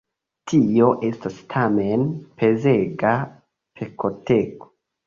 Tio estas tamen pezega pekoteko.